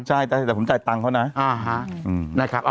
ใช่แต่ผมจ่ายตังค์เขานะ